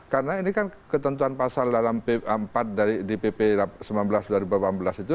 karena ini kan ketentuan pasal dalam pp empat di pp sembilan belas dua ribu delapan belas itu